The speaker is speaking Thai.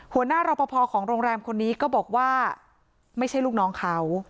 รอปภของโรงแรมคนนี้ก็บอกว่าไม่ใช่ลูกน้องเขา